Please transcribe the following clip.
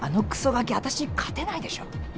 ガキ私に勝てないでしょ。